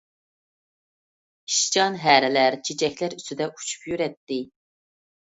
ئىشچان ھەرىلەر چېچەكلەرنىڭ ئۈستىدە ئۇچۇپ يۈرەتتى.